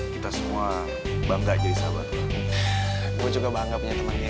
kita semua bangga jadi sahabat gue juga bangga punya temannya